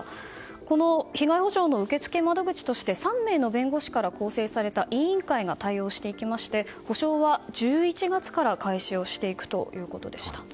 この被害補償の受付窓口として３人の弁護士から構成された構成された委員会が対応していきまして補償は１１月から開始をしていくということでした。